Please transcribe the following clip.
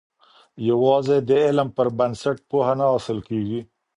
یوازي د علم په بنسټ پوهه نه حاصل کېږي.